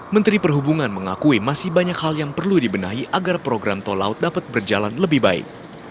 menteri perhubungan mengakui masih banyak hal yang perlu dibenahi agar program tol laut dapat berjalan lebih baik